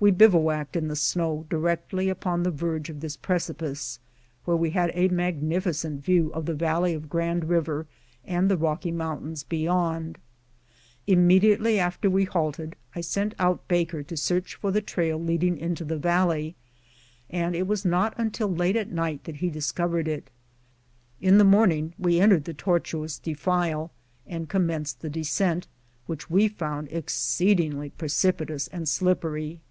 We bivouacked in the snow directly upon the verge of this precipice, where we had a magnificent view of the val ley of Grand River and the Rocky Mountains beyond. .Im mediately after we halted I sent out Baker to search for the trail leading into the valley, and it was not until late at night that he discovered it. In the morning we entered the tortuous defile and commenced the descent, which we found exceedingly precipitous and slippery.